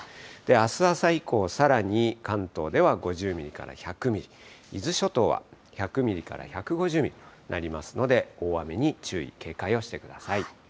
あす朝以降、さらに関東では５０ミリから１００ミリ、伊豆諸島は１００ミリから１５０ミリとなりますので、大雨に注意、警戒をしてください。